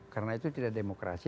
karena itu tidak demokrasi